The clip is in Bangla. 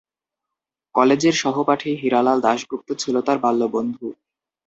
কলেজের সহপাঠী হীরালাল দাসগুপ্ত ছিল তার বাল্য বন্ধু।